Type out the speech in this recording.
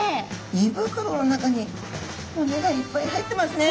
いぶくろの中に骨がいっぱい入ってますね！